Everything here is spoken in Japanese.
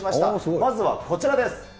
まずはこちらです。